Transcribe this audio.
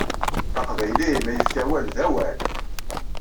Aqbayli ma yefka awal d awal!